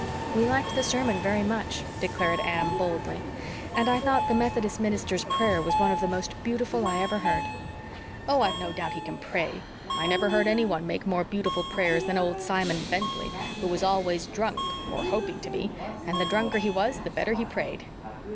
"We liked the sermon very much," declared Anne boldly. "And I thought the Methodist minster's prayer was one of the most beautiful I ever heard." "Oh, I've no doubt he can pray. I never heard anyone make more beautiful prayers than old Simon Bentley, who was always drunk, or hoping to be, and the drunker he was the better he prayed."